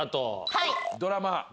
はい。